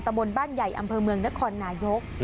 บนบ้านใหญ่อำเภอเมืองนครนายก